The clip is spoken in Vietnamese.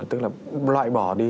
tức là loại bỏ đi